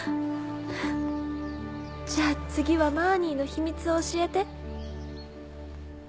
じゃあ次はマーニーの秘密を教えて。